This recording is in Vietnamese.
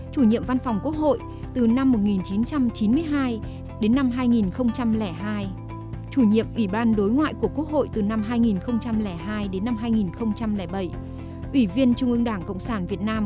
chủ nhiệm văn phòng quốc hội và hội đồng nhà nước từ năm một nghìn chín trăm tám mươi hai đến năm một nghìn chín trăm tám mươi bảy